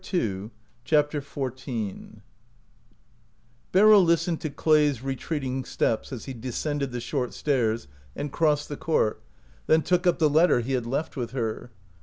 i74 CHAPTER XIV BERYL listened to Clay's retreating steps as he descended the short stairs and crossed the court, then took up the let ter he had left with her.